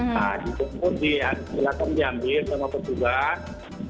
nah disimplik silakan diambil sama petugas